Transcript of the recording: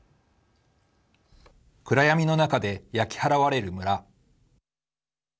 暗闇の中で焼き払われる村。